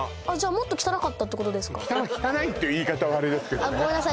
看板汚いっていう言い方はあれですけどねごめんなさい